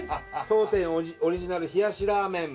「当店オリジナル冷しラーメン」